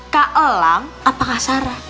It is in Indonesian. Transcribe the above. kak elang atau kak sarah